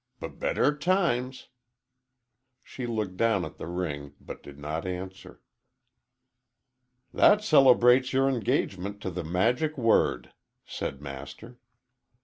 "B better times." She looked down at the ring, but did not answer. "That celebrates your engagement to the Magic Word," said Master.